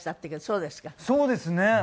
そうですね。